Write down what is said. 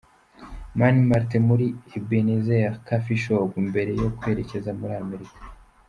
Mani Martin muri Ebenezer Coffe Shop mbere yo kwerekeza muri Amerika.